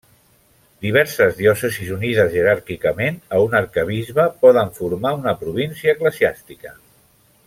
Diverses diòcesis unides jeràrquicament a un arquebisbe poden formar una província eclesiàstica.